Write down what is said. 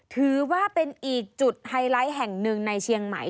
ถือว่าเป็นอีกจุดไฮไลท์แห่งหนึ่งในเชียงใหม่